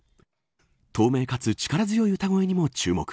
透明、かつ力強い歌声にも注目。